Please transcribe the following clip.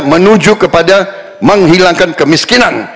menuju kepada menghilangkan kemiskinan